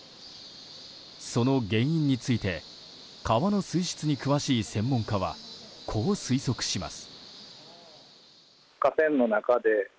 その原因について川の水質に詳しい専門家はこう推測します。